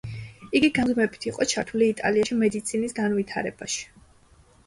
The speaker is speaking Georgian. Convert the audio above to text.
იგი გამუდმებით იყო ჩართული იტალიაში მედიცინის განვითარებაში.